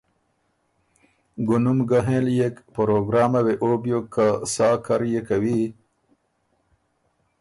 ګُونُم ګۀ هېنليېک، پروګرامه وې او بیوک که سا کر يې کوی